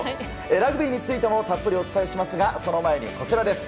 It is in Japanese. ラグビーについてもたっぷりお伝えしますがその前に、こちらです。